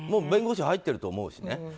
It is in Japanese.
弁護士入っていると思うしね。